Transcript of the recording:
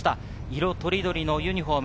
色とりどりのユニホーム。